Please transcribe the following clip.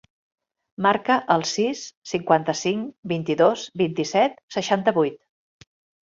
Marca el sis, cinquanta-cinc, vint-i-dos, vint-i-set, seixanta-vuit.